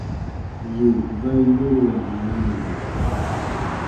Yè ba yoruan manibu.